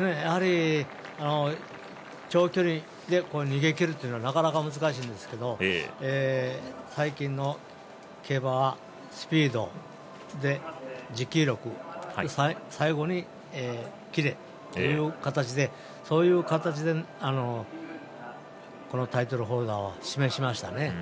やはり、長距離で逃げきるっていうのはなかなか難しいんですけど最近の競馬はスピード、持久力最後にキレという形でそういう形でこのタイトルホルダーは示しましたね。